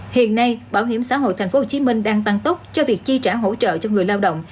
hiện nay bảo hiểm xã hội tp hcm đang tăng tốc cho việc chi trả hỗ trợ cho người lao động